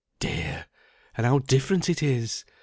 Dear! and how different it is!